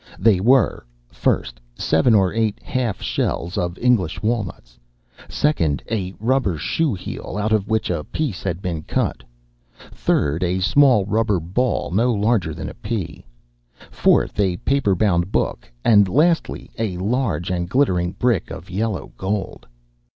They were: First, seven or eight half shells of English walnuts; second, a rubber shoe heel out of which a piece had been cut; third, a small rubber ball no larger than a pea; fourth, a paper bound book; and lastly, a large and glittering brick of yellow gold.